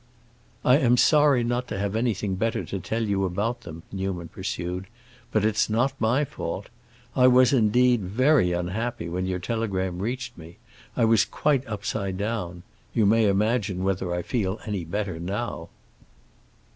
"I am sorry not to have anything better to tell you about them," Newman pursued. "But it's not my fault. I was, indeed, very unhappy when your telegram reached me; I was quite upside down. You may imagine whether I feel any better now."